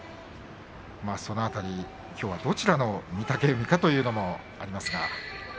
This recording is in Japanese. その辺りきょうはどちらの御嶽海かというのもありますが。